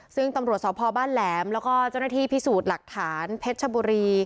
ซึ่งตำรวจสพบ้านแหลมแล้วก็เจ้าหน้าที่พิสูจน์หลักฐานเพชรชบุรี